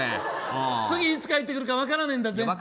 次いつ帰ってくるか分からないんだぜ。